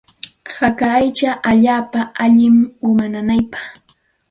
Haka aycha allaapa allinmi uma nanaypaq.